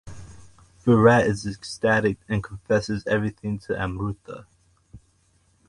Virat is ecstatic and confesses everything to Amrutha.